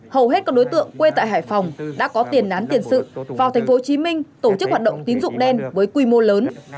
hầu hết các đối tượng quê tại hải phòng đã có tiền án tiền sự vào tp hcm tổ chức hoạt động tín dụng đen với quy mô lớn